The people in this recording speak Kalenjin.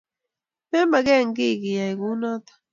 Memagen kiy kiyay kunoto